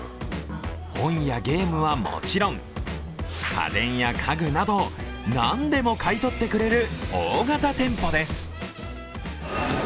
本やゲームはもちろん、家電や家具など、何でも買い取ってくれる大型店舗です。